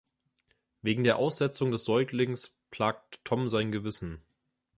Wegen der Aussetzung des Säuglings plagt Tom sein Gewissen.